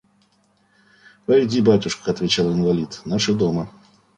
«Войди, батюшка, – отвечал инвалид, – наши дома».